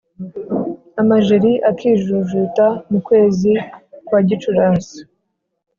Amajeri akijujuta Mu kwezi kwa Gicurasi